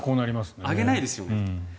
上げないですよね。